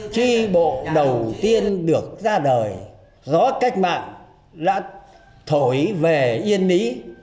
tri bộ đầu tiên được ra đời gió cách mạng đã thổi về yên lý